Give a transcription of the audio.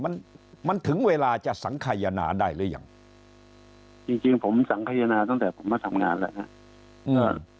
มันมันถึงเวลาจะสังขยนาได้หรือยังจริงจริงผมสังขยนาตั้งแต่ผมมาทำงานแล้วฮะ